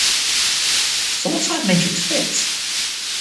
So what size matrix fits?